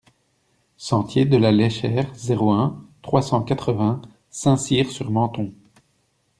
Sentier de la Léchère, zéro un, trois cent quatre-vingts Saint-Cyr-sur-Menthon